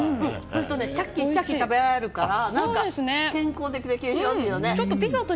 シャキシャキ食べられるから健康的な商品だね。